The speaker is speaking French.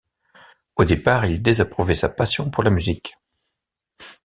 Au départ, il désapprouvait sa passion pour la musique.